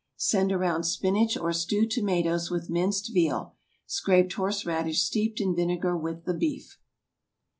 Send around spinach or stewed tomatoes with minced veal; scraped horseradish steeped in vinegar with the beef.